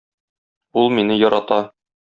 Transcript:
Ул мине ярата.